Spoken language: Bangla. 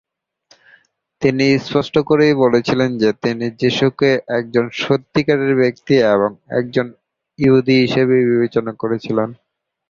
তিনি স্পষ্ট করেই বলেছিলেন যে তিনি যিশুকে একজন সত্যিকারের ব্যক্তি এবং একজন ইহুদী হিসাবে বিবেচনা করেছিলেন।